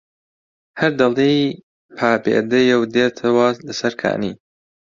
هەر دەڵێی پابێدەیە و دێتەوە لەسەر کانی